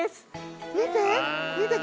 見て！